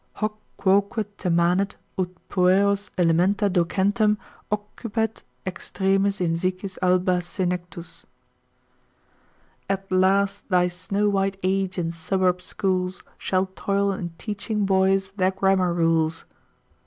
Hoc quoque te manet ut pueros elementa docentem Occupet extremis in vicis alba senectus. At last thy snow white age in suburb schools, Shall toil in teaching boys their grammar rules.